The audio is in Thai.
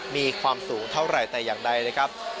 มีความสูงเท่าไหร่แต่อย่างใดนะครับ